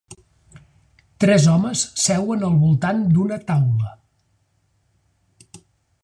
Tres homes seuen al voltant d'una taula.